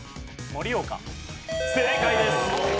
正解です。